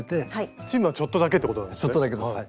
スチームはちょっとだけってことなんですねはい。